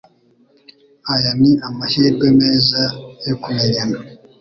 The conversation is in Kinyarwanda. Aya ni amahirwe meza yo kumenyana.